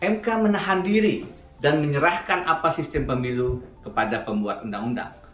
mk menahan diri dan menyerahkan apa sistem pemilu kepada pembuat undang undang